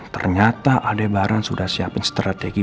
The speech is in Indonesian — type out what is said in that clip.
ternyata adebaran sudah siapin strategi